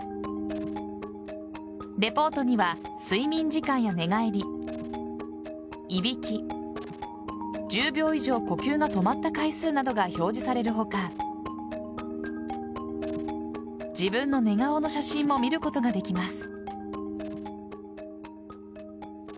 レポートには、睡眠時間や寝返りいびき、１０秒以上呼吸が止まった回数などが表示される他自分の寝顔の写真も見ることができます。